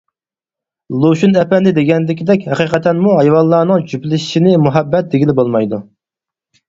لۇشۈن ئەپەندى دېگەندىكىدەك ھەقىقەتەنمۇ ھايۋانلارنىڭ جۈپلىشىشنى مۇھەببەت دېگىلى بولمايدۇ.